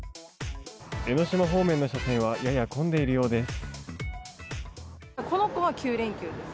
江の島方面の車線はやや混んでいるようです。